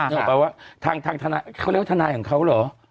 ออกไปว่าทางทนายเขาเรียกว่าทนายของเขาเหรอ